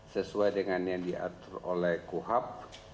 sesuai dengan yang diatur oleh kuhap